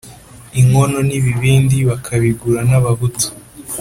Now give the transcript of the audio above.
inkono n’ibibindi, bakabigura n’abahutu.